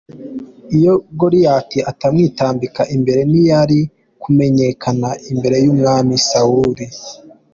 iyo Goliyati atamwitambika imbere ntiyari kumenyekana imbere y'umwami Sawuli.